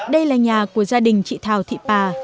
đây là nhà của gia đình chị thảo thị pà